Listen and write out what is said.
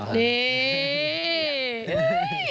นี่